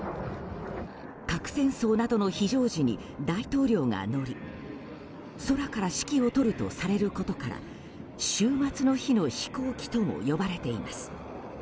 核戦争などの非常時に大統領が乗り空から指揮を執るとされることから終末の日の飛行機とも呼ばれています。